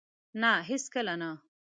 نه! هیڅکله نه